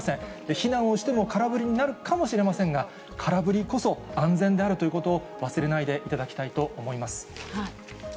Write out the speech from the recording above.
避難をしても空振りになるかもしれませんが、空振りこそ安全であるということを忘れないでいただきたいと思います。